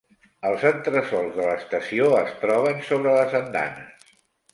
Els entresols de l'estació es troben sobre les andanes.